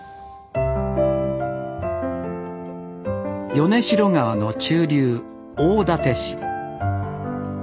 米代川の中流大館市。